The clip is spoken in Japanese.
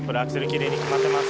きれいに決まってます。